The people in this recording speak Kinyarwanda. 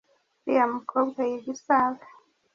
uriya mukobwa yiga i save.